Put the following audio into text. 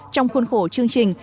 trong khuôn khổ chương trình